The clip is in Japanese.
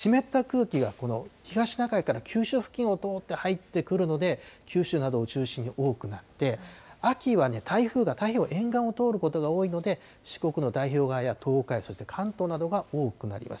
それもやっぱり湿った空気が東シナ海から九州付近を通って入ってくるので、九州などを中心に多くなって、秋は台風が太平洋沿岸を通ることが多いので、四国の太平洋側や東海、そして関東などが多くなります。